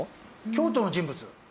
京都の人物。